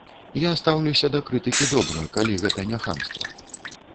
Я стаўлюся да крытыкі добра, калі гэта не хамства.